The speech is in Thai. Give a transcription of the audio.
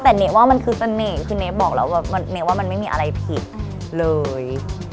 แต่เน้ว่ามันคือสนเน่คือเน้บอกเราว่ามันไม่มีอะไรผิดเลย